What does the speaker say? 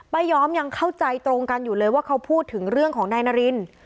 ยอมยังเข้าใจตรงกันอยู่เลยว่าเขาพูดถึงเรื่องของนายนาริน